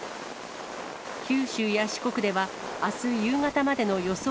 九州や四国では、あす夕方までの予想